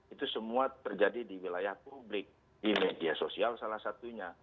itu semua terjadi di wilayah publik di media sosial salah satunya